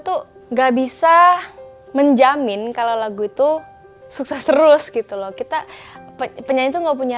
tuh nggak bisa menjamin kalau lagu itu sukses terus gitu loh kita penyatu enggak punya